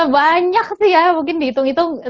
banyak sih ya mungkin dihitung hitung